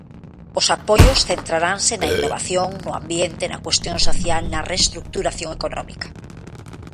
Os apoios centraranse na innovación, no ambiente, na cuestión social, na reestruturación económica.